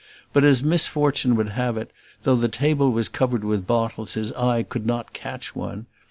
But, as misfortune would have it, though the table was covered with bottles, his eye could not catch one.